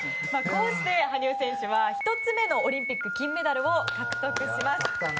こうして羽生選手は１つ目のオリンピック金メダルを獲得します。